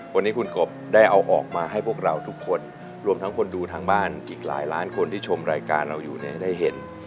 วันนี้คุณกบได้เอาออกมาให้พวกเราทุกคนรวมทั้งคนดูทางบ้านอีกหลายล้านคนที่ชมรายการเราอยู่เนี่ยได้เห็น